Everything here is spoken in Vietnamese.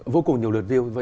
vô cùng nhiều lượt view